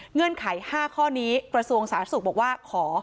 เงื่อนไข๕ข้อนี้กระทรวงสาธารณสุขบอกว่าขอ